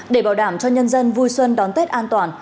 để bảo đảm cho nhân dân vui xuân đón tết an toàn